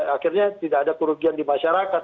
akhirnya tidak ada kerugian di masyarakat